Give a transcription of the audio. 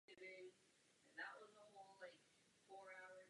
Náhle se vám odhalí tajemství miliony let staré spící lodi.